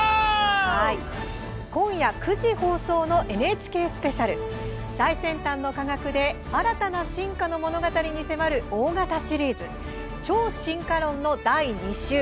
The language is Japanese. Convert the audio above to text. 今夜９時放送のＮＨＫスペシャル最先端の科学で新たな進化の物語に迫る大型シリーズ「超進化論」の第２集。